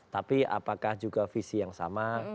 tapi apakah juga visi yang sama